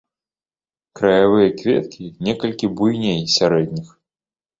Краявыя кветкі некалькі буйней сярэдніх.